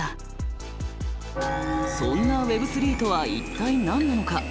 そんなＷｅｂ３とは一体何なのか？